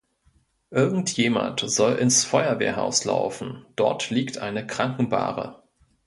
Irgend jemand soll ins Feuerwehrhaus laufen, dort liegt eine Krankenbahre!